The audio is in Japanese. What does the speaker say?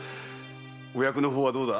お役の方はどうだ？